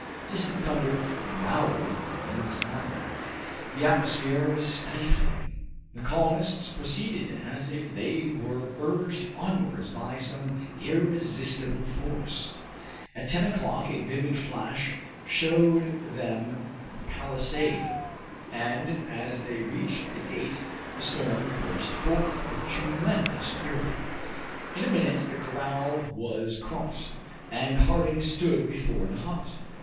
Distant thunder growled in the sky. The atmosphere was stifling. The colonists proceeded as if they were urged onwards by some irresistible force. At ten o'clock a vivid flash showed them the palisade, and as they reached the gate the storm burst forth with tremendous fury. In a minute the corral was crossed, and Harding stood before the hut.